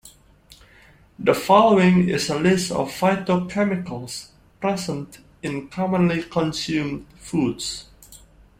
The following is a list of phytochemicals present in commonly consumed foods.